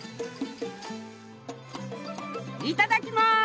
いただきます。